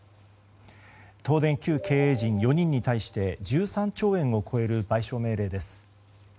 東電旧経営陣４人に対して１３兆円を超える賠償命令です。